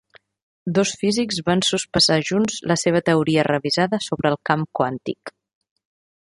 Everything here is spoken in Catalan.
Dos físics van sospesar junts la seva teoria revisada sobre el camp quàntic.